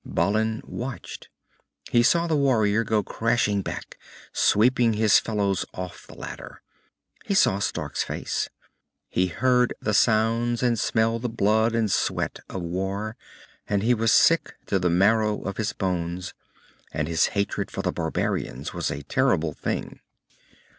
Balin watched. He saw the warrior go crashing back, sweeping his fellows off the ladder. He saw Stark's face. He heard the sounds and smelled the blood and sweat of war, and he was sick to the marrow of his bones, and his hatred of the barbarians was a terrible thing.